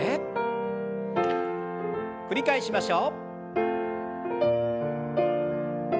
繰り返しましょう。